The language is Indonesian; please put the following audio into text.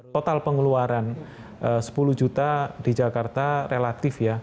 total pengeluaran sepuluh juta di jakarta relatif ya